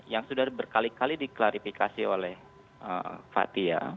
yang sudah berkali kali diklarifikasi oleh fathia